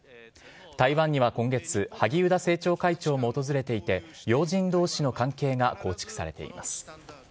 台湾には今月萩生田政調会長も訪れていて要人同士の関係が構築されています。